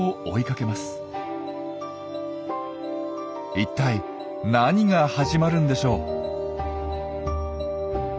一体何が始まるんでしょう？